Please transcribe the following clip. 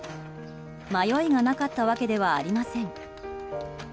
迷いがなかったわけではありません。